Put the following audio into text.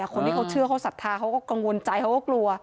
คนที่เขาเชื่อเขาศรัทธาเขาก็กังวลใจเขาก็กลัว